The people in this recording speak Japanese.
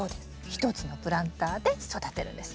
１つのプランターで育てるんです。